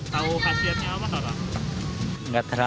tau hasilnya apa tau tak